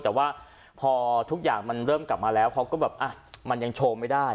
แต่ว่าพอทุกอย่างมันเริ่มกลับมาแล้วเขาก็แบบมันยังโชว์ไม่ได้